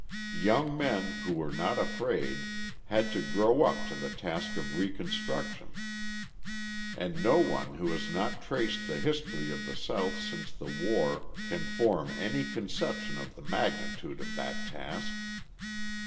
Young men, who were not afraid, had to grow up to the task of reconstruction. And no one who has not traced the history of the South since the war can form any conception of the magnitude of that task.